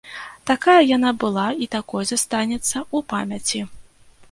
Такая яна была і такой застанецца ў памяці.